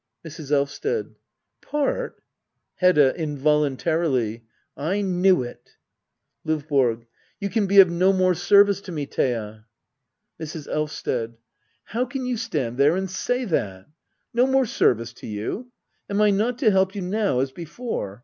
Mrs. Elvsted. Parti Hedda. [Involuntarilif,] 1 knew it ! LdVBORO. You can be of no more service to me, Thea. Mrs. Elvsted. How can you stand there and say that ! No more service to you! Am I not to help you now, as before